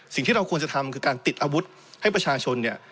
สิ่งที่เราควรจะทำคือการติดอาวุธให้ประชาชนเนี่ย